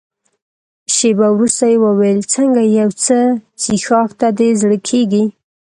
شېبه وروسته يې وویل: څنګه یو څه څیښاک ته دې زړه کېږي؟